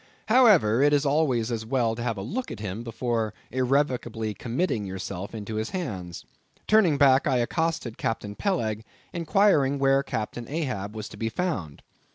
However, it is always as well to have a look at him before irrevocably committing yourself into his hands. Turning back I accosted Captain Peleg, inquiring where Captain Ahab was to be found.